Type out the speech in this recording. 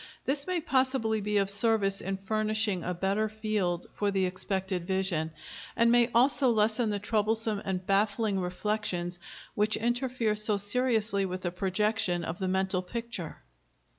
This may possibly be of service in furnishing a better field for the expected vision, and may also lessen the troublesome and baffling reflections which interfere so seriously with the projection of the mental picture.